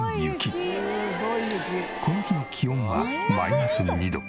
この日の気温はマイナス２度。